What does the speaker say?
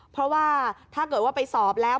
เพราะว่าถ้าเกิดว่าไปสอบแล้ว